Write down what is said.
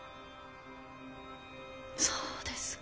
そうですか。